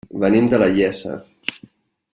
Venim de la Iessa.